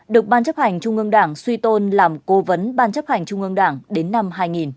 được ban chấp hành trung ương đảng suy tôn làm cố vấn ban chấp hành trung ương đảng đến năm hai nghìn